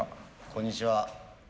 こんにちは。